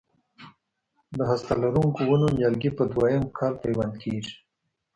د هسته لرونکو ونو نیالګي په دوه یم کال پیوند کېږي.